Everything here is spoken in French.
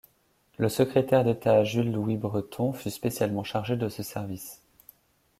Le secrétaire d’État Jules-Louis Breton fut spécialement chargé de ce service.